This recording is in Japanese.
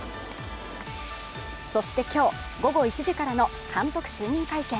そして今日、午後１時からの監督就任会見。